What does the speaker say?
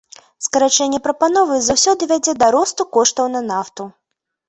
Скарачэнне прапановы заўсёды вядзе да росту коштаў на нафту.